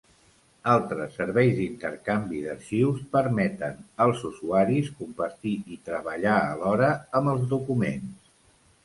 Altres serveis d'intercanvi d'arxius permeten als usuaris compartir i treballar alhora amb els documents.